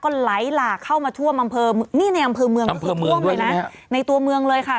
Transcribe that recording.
ก็ไหลหลากเข้ามาทั่วนี่ในอำเภอเมืองในตัวเมืองเลยค่ะ